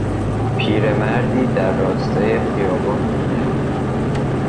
پیر مردی در راستای خیابان میلنگید.